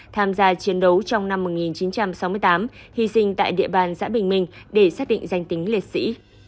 tham gia chiến đấu trong năm một nghìn chín trăm sáu mươi tám hy sinh tại địa bàn xã bình minh để xác định danh tính liệt sĩ